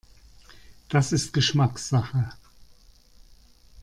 Das ist Geschmackssache.